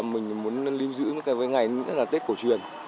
mình muốn lưu giữ với ngày tết cổ truyền